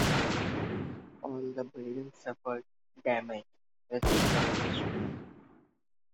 All the buildings suffered damage, with some destroyed.